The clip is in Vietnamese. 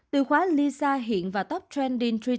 từ khóa lisa hiện vào top trending twitter toàn cầu